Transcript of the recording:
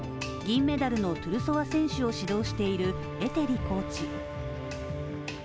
銀メダルのトゥルソワ選手を指導しているエテリコーチ。